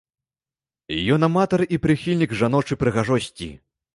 Ён аматар і прыхільнік жаночай прыгажосці.